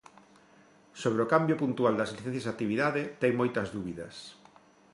Sobre o cambio puntual das licencias de actividade, ten moitas dúbidas.